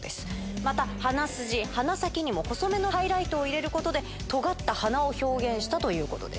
また、鼻筋、鼻先にも細めのハイライトを入れることで、とがった花を表現したということです。